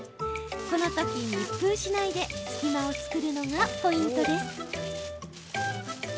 この時、密封しないで隙間を作るのがポイントです。